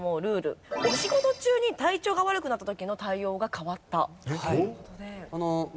お仕事中に体調が悪くなった時の対応が変わったという事で。